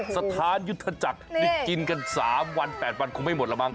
สถานยุทธจักรนี่กินกัน๓วัน๘วันคงไม่หมดแล้วมั้